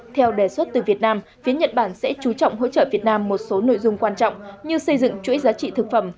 theo đề xuất từ việt nam phía nhật bản sẽ chú trọng hỗ trợ việt nam một số nội dung quan trọng như xây dựng chuỗi giá trị thực phẩm